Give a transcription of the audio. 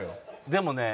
でもね